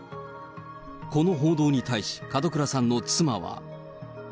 この報道に対し、門倉さんの妻は。